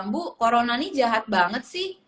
bu corona ini jahat banget sih